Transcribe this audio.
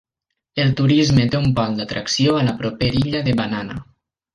El turisme té un pol d'atracció a la propera illa de Banana.